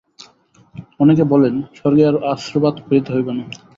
অনেকে বলেন, স্বর্গে আর অশ্রুপাত করিতে হইবে না।